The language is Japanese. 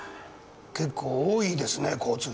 結構多いですね交通量。